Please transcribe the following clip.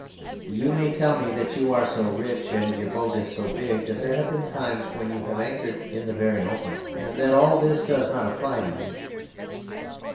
You may tell me that you are so rich and your boat is so big that there have been times when you have anchored in the very open, and that all this does not apply to you.